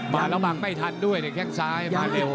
มา่ระบากไม่ทันด้วยเสะแค่งซ้ายมาเร็ว